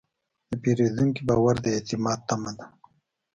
د پیرودونکي باور د اعتماد تمه ده.